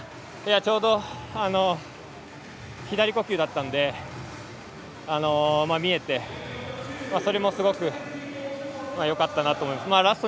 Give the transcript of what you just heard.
ちょうど左呼吸だったんで見えて、それもすごくよかったなと思います。